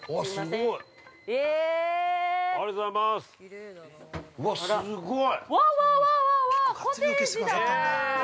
◆うわっ、すごい。